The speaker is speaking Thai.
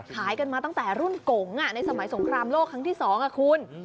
ขายกันมาตั้งแต่รุ่นกงในสมัยสงครามโลกครั้งที่๒คุณ